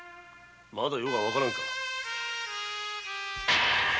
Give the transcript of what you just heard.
まだ余がわからぬか。